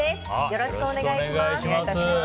よろしくお願いします。